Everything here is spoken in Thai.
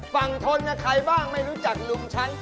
ฝั่งทนกับใครบ้างไม่รู้จักลุงฉัน